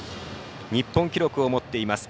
日本記録を持っています。